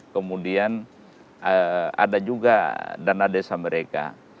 kemudian ada juga dana desa mereka